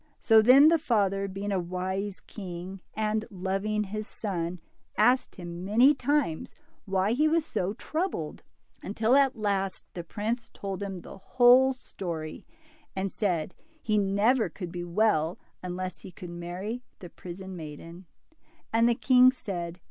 So, then, the father, being a wise king, and loving his son, asked him many times why he was so troubled, until at last the prince told him the whole story, and said he never could be well unless he could marry the prison maiden. And the king said.